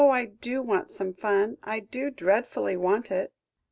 I do want some fun; I do dreadfully want it!"